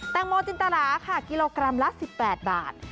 งโมจินตราค่ะกิโลกรัมละ๑๘บาท